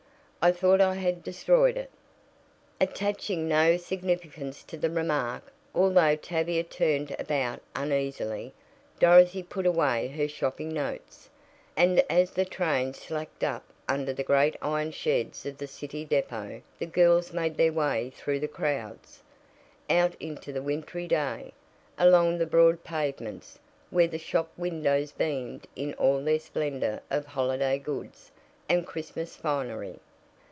"I thought I had destroyed it." Attaching no significance to the remark, although Tavia turned about uneasily, Dorothy put away her shopping notes, and as the train slacked up under the great iron sheds of the city depot the girls made their way through the crowds, out into the wintry day, along the broad pavements, where the shop windows beamed in all their splendor of holiday goods and Christmas finery.